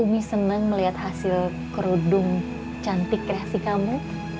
umi senang melihat hasil kerudung cantik kreasi kamu